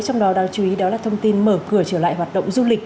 trong đó đáng chú ý đó là thông tin mở cửa trở lại hoạt động du lịch